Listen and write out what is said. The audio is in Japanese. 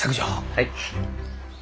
はい。